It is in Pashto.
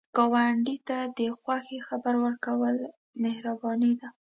ګاونډي ته د خوښۍ خبر ورکول مهرباني ده